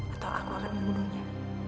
atau aku akan membunuhnya